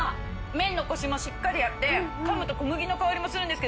麺のコシもしっかりあって噛むと小麦の香りもするんですけど